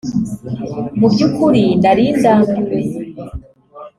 Mu by’ukuri nari ndambiwe